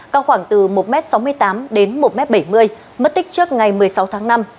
cao khoảng từ một m sáu mươi tám đến một m bảy mươi mất tích trước ngày một mươi sáu tháng năm